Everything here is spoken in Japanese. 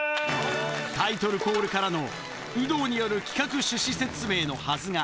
タイトルコールからの、有働による企画趣旨説明のはずが。